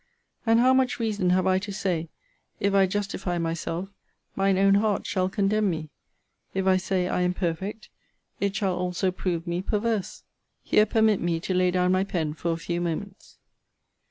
and how much reason have I to say, If I justify myself, mine own heart shall condemn me: if I say I am perfect, it shall also prove me perverse?' Here permit me to lay down my pen for a few moments.